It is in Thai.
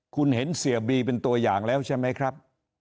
คุณเห็นเสียบีเป็นตัวอย่างแล้วใช่ไหมครับ